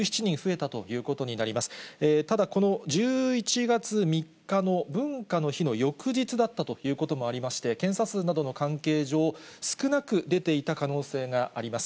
ただ、この１１月３日の文化の日の翌日だったということもありまして、検査数などの関係上、少なく出ていた可能性があります。